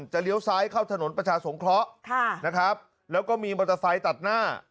เลี้ยวซ้ายเข้าถนนประชาสงเคราะห์นะครับแล้วก็มีมอเตอร์ไซค์ตัดหน้า